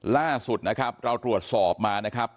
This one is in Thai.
ล่าสุดนะครับเราตรวจสอบมานะครับ